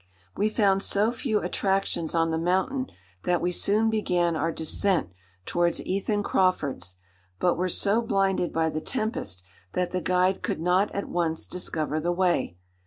"We found so few attractions on the mountain that we soon began our descent towards Ethan Crawford's, but were so blinded by the tempest that the guide could not at once discover the way.